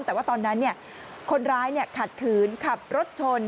แต่ว่าตอนนั้นคนร้ายขัดขืนขับรถชน